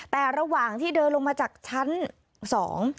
แต่ระหว่างที่เดินลงมาจากชั้นสอง